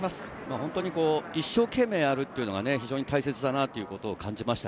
本当に一生懸命やるっていうのは非常に大切だなってことを感じました。